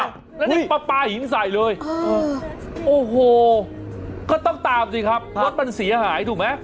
โอ้โหแล้วนี่ปลาหินใส่เลยต้องตามสิครับรถมันเสียหายถูกมั้ย